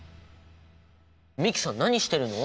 美樹さん何してるの？